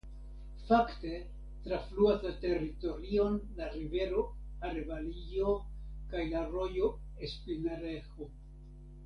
Fakte trafluas la teritorion la rivero Arevalillo kaj la rojo Espinarejo.